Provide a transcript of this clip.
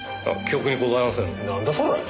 記憶にございません。